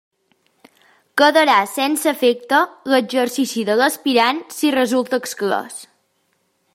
Quedarà sense efecte l'exercici de l'aspirant si resulta exclòs.